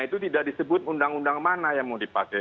itu tidak disebut undang undang mana yang mau dipakai